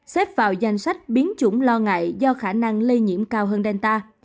xếp vào danh sách biến chủng lo ngại do khả năng lây nhiễm cao hơn delta